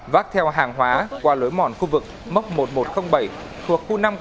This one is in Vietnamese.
vác theo hàng hóa qua lối mòn khu vực mốc một nghìn một trăm linh bảy